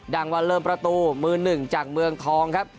วันเริ่มประตูมือหนึ่งจากเมืองทองครับ